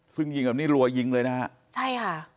ซึ่งยิงแบบนี้รัวยิงเลยนะฮะใช่ค่ะ